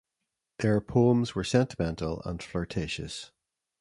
Their poems were sentimental and flirtatious.